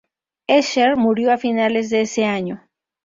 Escher murió a finales de ese año.